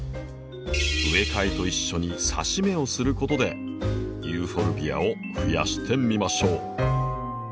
植え替えと一緒にさし芽をすることでユーフォルビアをふやしてみましょう。